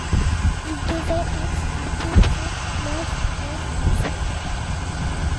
Il devait être à peu près neuf heures du soir.